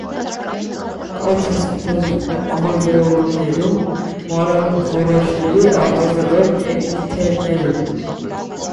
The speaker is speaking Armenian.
Կաթը սինթեզվում է ալվեոլներում (մանրագույն խոռոչների արտազատող էպիթելներում)։